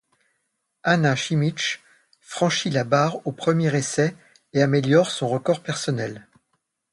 Ana Šimić franchit la barre d' au premier essai et améliore son record personnel.